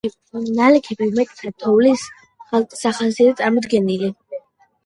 ნალექები უმეტესად თოვლის სახითაა წარმოდგენილი.